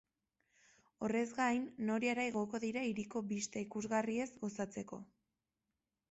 Horrez gain, noriara igoko dira hiriko bista ikusgarriez gozatzeko.